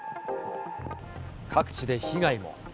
各地で被害も。